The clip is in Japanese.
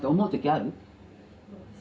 ある。